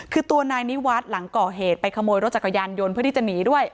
คือตัวนายนิวัฒน์หลังก่อเหตุไปขโมยรถจักรยานยนต์เพื่อที่จะหนีด้วย